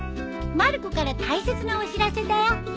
まる子から大切なお知らせだよ。